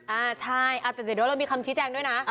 อ่าใช่แต่เดี๋ยวเรามีคำชี้แจงด้วยนะ